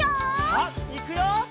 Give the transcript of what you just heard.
さあいくよ！